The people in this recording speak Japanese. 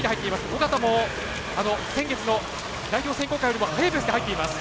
小方も先月の代表選考会よりも速いペースで入っています。